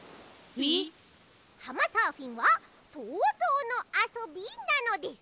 ピッ？はまサーフィンはそうぞうのあそびなのです。